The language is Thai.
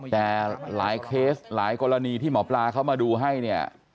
แต่หลายเคสหลายกรณีที่หมอปลาเข้ามาดูให้เนี่ย